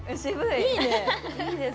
いいね。